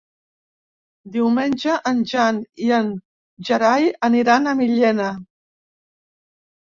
Diumenge en Jan i en Gerai aniran a Millena.